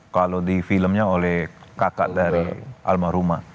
kalau di filmnya oleh kakak dari almarhumah